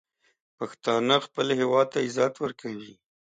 پښتانه خپل هیواد ته عزت ورکوي.